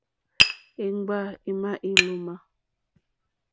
Íŋɡbâ émá ílómǎ.